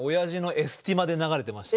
エスティマで流れてた。